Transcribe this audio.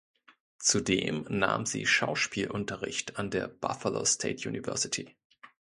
Zudem nahm sie Schauspielunterricht an der Buffalo State University.